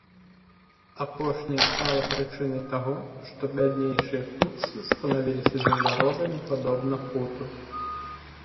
Апошняе стала прычынай таго, што бяднейшыя тутсі станавіліся земляробамі падобна хуту.